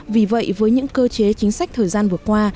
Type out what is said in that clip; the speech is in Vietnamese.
vì vậy với những cơ chế chính sách thời gian vừa qua